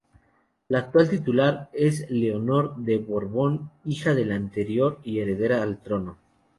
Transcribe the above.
La actual titular es Leonor de Borbón, hija del anterior y heredera al trono.